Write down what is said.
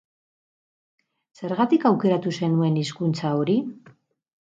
Zergatik aukeratu zenuen hizkuntza hori?